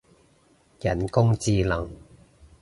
人工智能